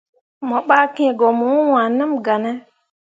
Mo ɓah kiŋ ko mo waaneml gah ne.